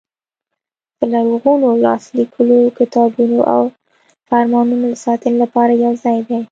د لرغونو لاس لیکلو کتابونو او فرمانونو د ساتنې لپاره یو ځای دی.